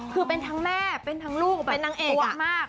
คือเป็นทั้งแม่เป็นทั้งลูก